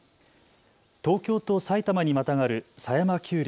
東京と埼玉にまたがる狭山丘陵。